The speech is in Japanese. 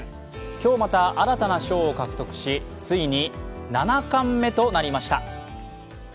今日また新たな賞を獲得しついに７冠目となりました。